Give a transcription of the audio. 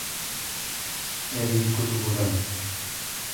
هذه الكتب لنا.